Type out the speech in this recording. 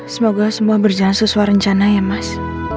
semoga semua berjalan sesuai rencana ya mas